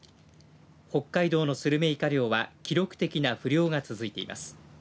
北海道のスルメイカ漁は記録的な不漁が続いています。